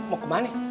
tante mau ke mana